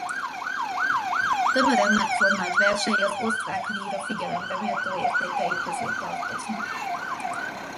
Tömören megformált versei az osztrák líra figyelemre méltó értékei közé tartoznak.